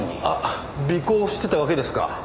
あっ尾行してたわけですか。